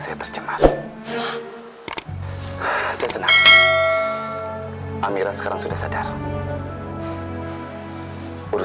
saya enggak melakukan pembunuhan itu